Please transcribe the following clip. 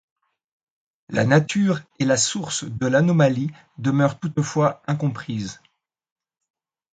La nature et la source de l'anomalie demeurent toutefois incomprises.